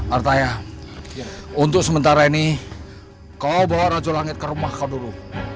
artinya untuk sementara ini kau bawa raju langit ke rumah kau dulu